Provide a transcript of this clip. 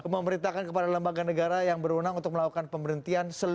pemerintahkan kepada lembaga negara yang berwenang untuk melakukan pemerintian seluruh komisioner